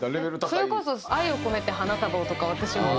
それこそ『愛をこめて花束を』とか私も。